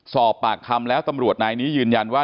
สอบปากคำแล้วตำรวจนายนี้ยืนยันว่า